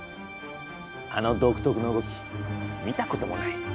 あの独特の動き見たこともない。